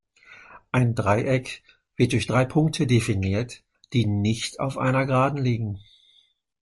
Ein Dreieck wird durch drei Punkte definiert, die nicht auf einer Geraden liegen.